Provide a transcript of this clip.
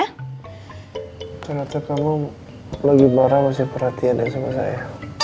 hai ternyata kamu lagi marah masih perhatian yang sama saya